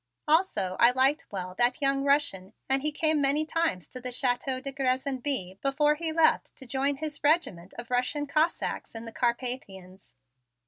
Also I liked well that young Russian and he came many times to the Chateau de Grez and Bye before he left to join his regiment of Russian Cossacks in the Carpathians.